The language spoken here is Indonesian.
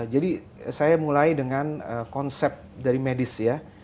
jadi saya mulai dengan konsep dari medis ya